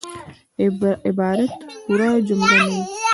عبارت پوره جمله نه يي.